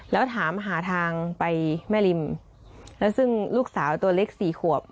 แล้วถามหาทางไปแม่ริมแล้วซึ่งลูกสาวตัวเล็กสี่ขวบ